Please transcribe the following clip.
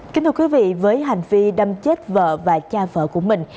kính thưa quý vị với hành vi đâm chết vợ và cha vợ của mình